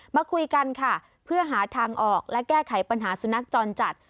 มาคุยกันค่ะเพื่อหาทางออกและแก้ไขปัญหาสุนัขจรจัด